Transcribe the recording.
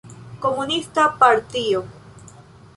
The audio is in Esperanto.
Komunista partio.